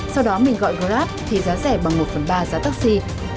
sau đó mình gọi grab thì giá rẻ bằng một phần ba giá taxi